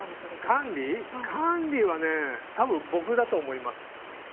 管理は多分、僕だと思います。